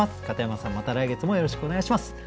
片山さんまた来月もよろしくお願いします。